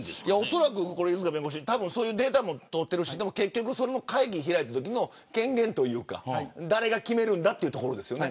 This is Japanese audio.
恐らく、犬塚弁護士そういうデータも取ってるしでも、結局、会議を開いたときの権限というか誰が決めるんだということですね。